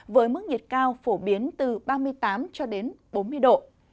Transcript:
với mức nhiệt cao phổ biến từ ba mươi tám cho đến bốn mươi độ